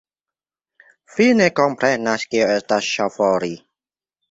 Vi ne komprenas, kio estas ŝofori.